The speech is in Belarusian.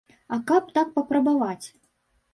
А каб так папрабаваць.